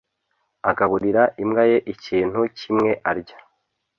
agaburira imbwa ye ikintu kimwe arya